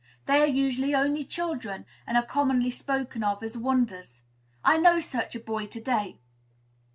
They are usually only children, and are commonly spoken of as wonders. I know such a boy to day.